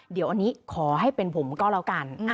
เดี๋ยวอันนี้ขอให้เป็นผมก็แล้วกัน